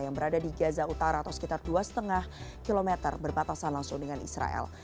yang berada di gaza utara atau sekitar dua lima km berbatasan langsung dengan israel